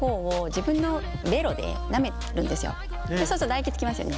そうすると唾液つきますよね。